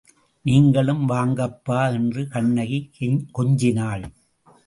நீங்களும் வாங்கப்பா என்று கண்ணகி கொஞ்சினாள்.